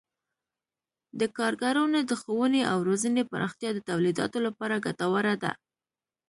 د کارګرانو د ښوونې او روزنې پراختیا د تولیداتو لپاره ګټوره ده.